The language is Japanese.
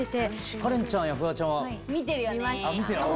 カレンちゃんやフワちゃんは？